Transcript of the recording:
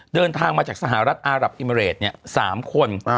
เดินทางมาจากสหรัฐอารับอิเมเรด๓คน